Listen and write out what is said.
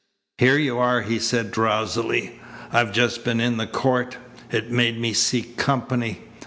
"Here you are," he said drowsily. "I've just been in the court. It made me seek company.